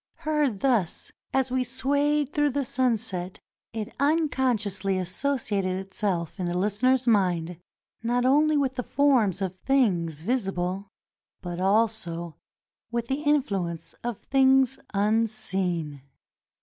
Heard thus, as we swayed through the sunset, it unconsciously associated itself in the Kstener's mind, not only with the forms of things visible, but also with the influence of things unseen.